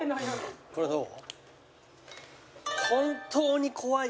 これどう？